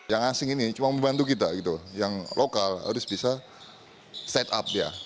yang asing ini cuma membantu kita gitu yang lokal harus bisa set up ya